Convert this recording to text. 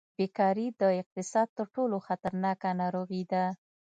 بېکاري د اقتصاد تر ټولو خطرناکه ناروغي ده.